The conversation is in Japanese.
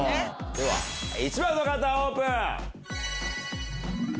では１番の方オープン。